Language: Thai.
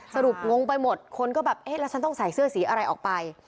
งงไปหมดคนก็แบบเอ๊ะแล้วฉันต้องใส่เสื้อสีอะไรออกไป